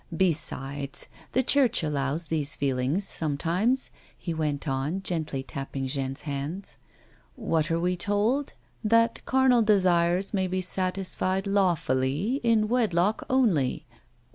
" Besides, the church allows these feelings, sometimes," he went on, gently tapping Jeanne's hand. " What are we told 1 That carnal desires may be satisfied lawfully in wedlock only.